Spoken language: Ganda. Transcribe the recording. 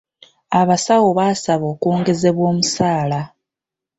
Abasawo baasaba okwongezebwa omusaala.